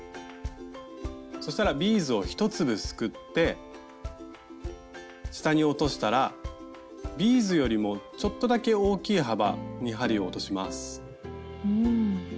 そしたらビーズを１粒すくって下に落としたらビーズよりもちょっとだけ大きい幅に針を落とします。